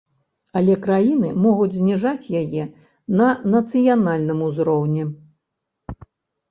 Але краіны могуць зніжаць яе на нацыянальным узроўні.